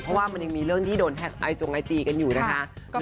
เพราะว่ามันยังมีเรื่องที่โดนแท็กไอจงไอจีกันอยู่นะคะ